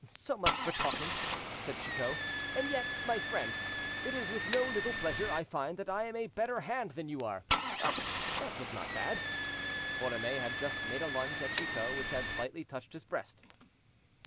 "So much for talking," said Chicot; "and yet, my friend, it is with no little pleasure I find that I am a better hand than you are. Ah! that was not bad." Borromée had just made a lunge at Chicot, which had slightly touched his breast.